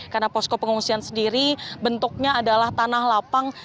karena poskop pengungsian sendiri bentuknya adalah tanah lapang